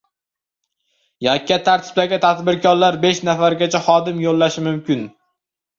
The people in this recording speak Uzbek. Yakka tartibdagi tadbirkorlar besh nafargacha xodim yollashi mumkin